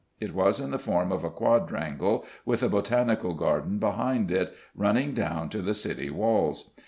It was in the form of a quadrangle, with a botanical garden behind it, running down to the City walls.